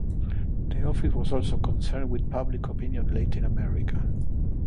The office was also concerned with public opinion in Latin America.